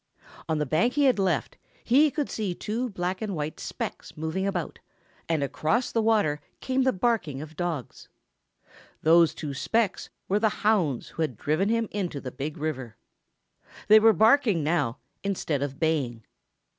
On the bank he had left, he could see two black and white specks moving about, and across the water came the barking of dogs. Those two specks were the hounds who had driven him into the Big River. They were barking now, instead of baying.